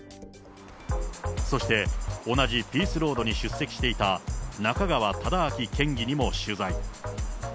そして、同じピースロードに出席していた中川忠昭県議にも取材。